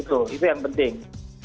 itu itu yang penting